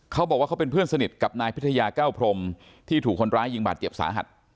เขาบอกว่าเขาเป็นเพื่อนสนิทกับนายพิทยาแก้วพรมที่ถูกคนร้ายยิงบาดเจ็บสาหัส